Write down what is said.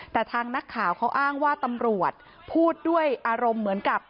แต่ทางนักข่าวเขาอ้างว่าตำรวจพูดด้วยอารมณ์เหมือนกับ